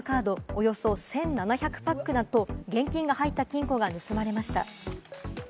およそ１７００パックと現金が入った金庫が盗まれました。